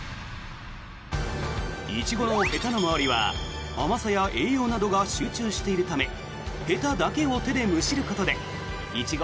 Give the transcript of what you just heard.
イチゴのへたの周りは甘さや栄養などが集中しているためへただけを手でむしることでイチゴ